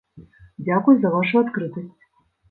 Дзякуй за вашу адкрытасць.